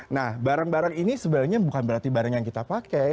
nah barang barang ini sebenarnya bukan berarti barang yang kita pakai